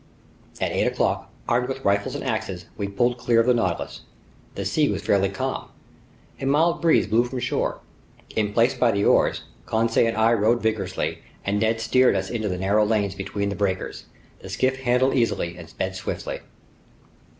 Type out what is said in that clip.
At eight o'clock, armed with rifles and axes, we pulled clear of the Nautilus. The sea was fairly calm. A mild breeze blew from shore. In place by the oars, Conseil and I rowed vigorously, and Ned steered us into the narrow lanes between the breakers. The skiff handled easily and sped swiftly.